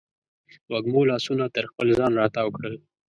وږمو لاسونه تر خپل ځان راتاو کړل